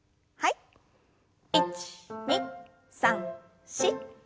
１２３４。